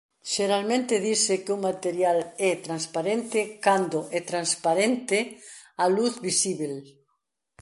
Xeralmente dise que un material é transparente cando é transparente á luz visíbel.